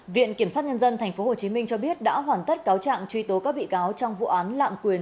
viện kiểm sát nhân dân tp hcm cho biết đã hoàn tất cáo trạng truy tố các bị cáo trong vụ án lạm quyền